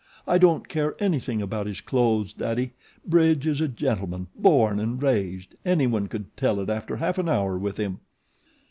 I don't care anything about his clothes, Daddy; Bridge is a gentleman born and raised anyone could tell it after half an hour with him."